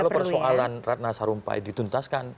kalau persoalan ratna sarumpait dituntaskan